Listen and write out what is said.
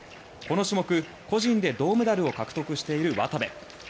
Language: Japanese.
この種目、個人で銅メダルを獲得している渡部。